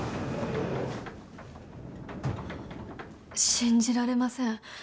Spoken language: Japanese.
信じられません。